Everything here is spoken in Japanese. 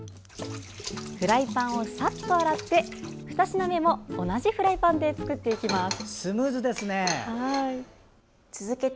フライパンをさっと洗って２品目も同じフライパンで作っていきます。